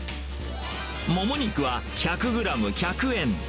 もも肉は１００グラム１００円。